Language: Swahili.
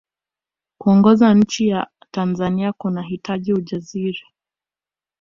kuongoza nchi ya anzania kunahitaji ujasiri